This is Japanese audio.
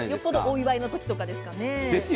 お祝いのときとかですかね。